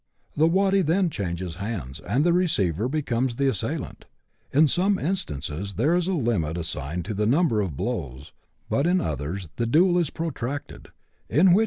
The waddy then changes hands, and the receiver becomes the assailant. In some instances there is a limit assigned to the number of blows, but in others the duel is protracted ; iii which 1 114 BUSH LIFE IN AUSTRALIA. [chap. x.